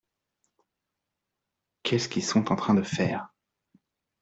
Qu’est-ce qu’ils sont en train de faire ?